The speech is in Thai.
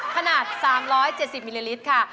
ขนาด๓๗๐มิลลิลิตรค่ะ